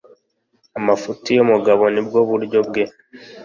amafuti y'umugabo nibwo buryo bwe